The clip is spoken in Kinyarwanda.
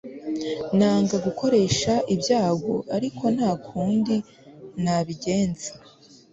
Nanga gukoresha ibyago ariko nta kundi nabigenza